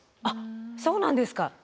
あっそうなんですか！